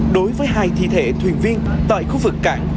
đối với hai thi thể thuyền viên tại khu vực cảng